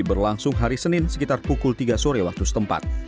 berlangsung hari senin sekitar pukul tiga sore waktu setempat